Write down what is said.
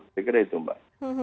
saya kira itu mbak